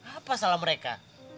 apa salah mereka